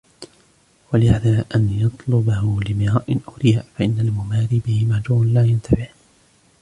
وَلْيَحْذَرْ أَنْ يَطْلُبَهُ لِمِرَاءٍ أَوْ رِيَاءٍ فَإِنَّ الْمُمَارِيَ بِهِ مَهْجُورٌ لَا يَنْتَفِعُ